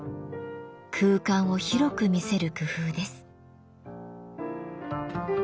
空間を広く見せる工夫です。